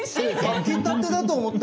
炊きたてだと思った。